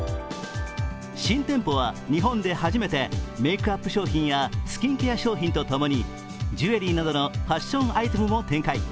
新店舗は日本で初めてメークアップ商品やスキンケア商品とともにジュエリーなどのファッションアイテムも展開。